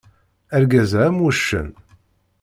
Argaz-a am wuccen.